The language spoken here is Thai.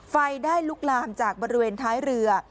ไฟได้ลุกลามจากบริเวณท้ายเรือ